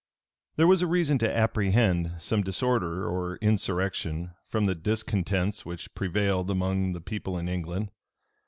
} There was reason to apprehend some disorder or insurrection from the discontents which prevailed among the people in England.